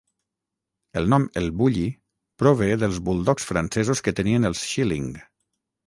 El nom "El Bulli" prové dels buldogs francesos que tenien els Schilling.